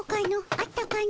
あったかの？